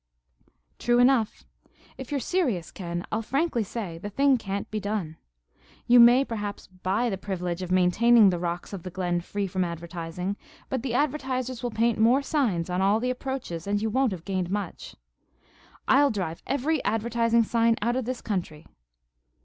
"True enough. If you're serious, Ken, I'll frankly say the thing can't be done. You may, perhaps, buy the privilege of maintaining the rocks of the glen free from advertising; but the advertisers will paint more signs on all the approaches, and you won't have gained much." "I'll drive every advertising sign out of this country."